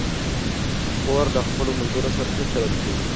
خور له خپلو ملګرو سره ښه چلند کوي.